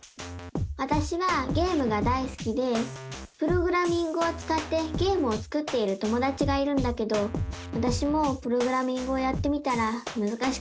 わたしはゲームがだいすきでプログラミングをつかってゲームを作っている友だちがいるんだけどわたしもプログラミングをやってみたらむずかしくて。